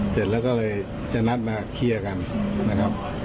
เสร็จแล้วก็เลยจะนัดมาเคลียร์กันนะครับ